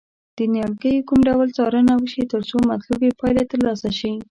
د نیالګیو کوم ډول څارنه وشي ترڅو مطلوبې پایلې ترلاسه شي.